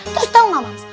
tau gak mams